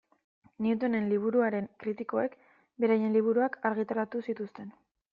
Newtonen liburuaren kritikoek beraien liburuak argitaratu zituzten.